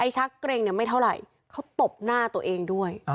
ชักเกร็งเนี่ยไม่เท่าไหร่เขาตบหน้าตัวเองด้วย